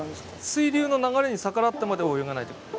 水流の流れに逆らってまでは泳がないってこと。